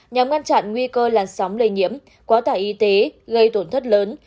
nhằm ngăn chặn nguy cơ làn sóng lây nhiễm quá tải y tế gây tổn thất lớn